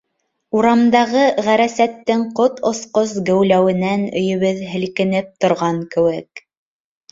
Урамдағы ғәрәсәттең ҡот осҡос геүләүенән өйөбөҙ һелкенеп торған кеүек.